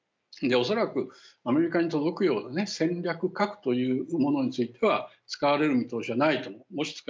恐らくアメリカに届くような戦略核というものについては使われる見通しはないと思う。